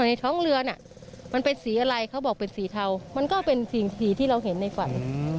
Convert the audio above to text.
หรือมีอะไรล้างบอกแม่ไหม